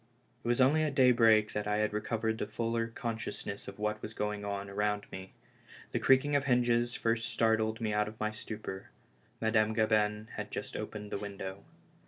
It was only at daybreak that I had recovered a fuller consciousness of what was going on around me. The creaking of hinges first startled me out of my stupor. Madame Gabin had just opened the window.